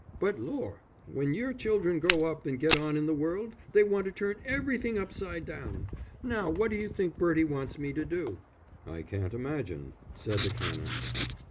But, lor', when your children grow up and get on in the world they want to turn everything upside down. Now what do you think Bertie wants me to do?" "I can't imagine," said the Canon.